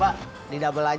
jual itu udah mau jalan